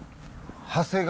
長谷川。